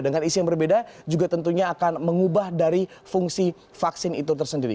dengan isi yang berbeda juga tentunya akan mengubah dari fungsi vaksin itu tersendiri